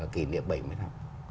kỉ niệm bảy mươi năm